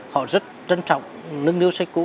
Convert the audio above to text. họ rất trân trọng nương nưu sách cũ